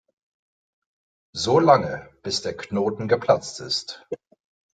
So lange, bis der Knoten geplatzt ist.